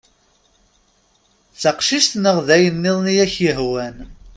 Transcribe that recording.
D taqcict neɣ d ayen-nniḍen i ak-yehwan.